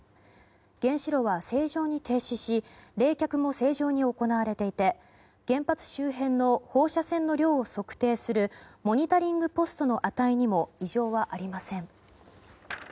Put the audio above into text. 原子炉は正常に停止し冷却も正常に行われていて原発周辺の放射線の量を測定するモニタリングポストの値にも以上はありません。